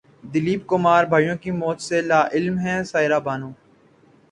دلیپ کمار بھائیوں کی موت سے لاعلم ہیں سائرہ بانو